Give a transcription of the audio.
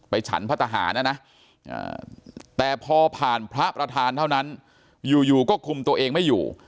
ฉันพระทหารนะนะแต่พอผ่านพระประธานเท่านั้นอยู่ก็คุมตัวเองไม่อยู่